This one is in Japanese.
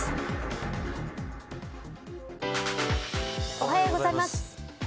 おはようございます。